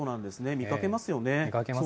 見かけますよね。